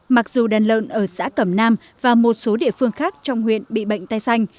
mặc dù đàn lợn ở xã cẩm nam và một số địa phương khác trong huyện bị bệnh tay xanh